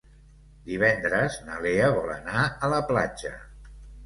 Divendres na Lea vol anar a la platja.